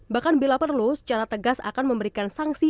jokowi secara tegas akan memberikan sanksi